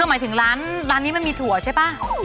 หมายถึงร้านนี้มันมีถั่วใช่ป่ะ